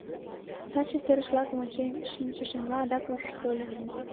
Таче серыш-влакым ончен шинчышемла адак ушыш тольо.